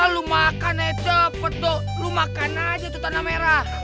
lu makan aja cepet lo makan aja tuh tanah merah